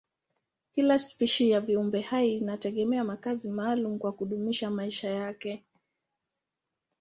Kila spishi ya viumbehai inategemea makazi maalumu kwa kudumisha maisha yake.